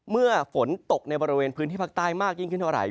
เมื่อฝนตกในบริเวณพื้นที่ภาคใต้มากยิ่งขึ้นเท่าไหร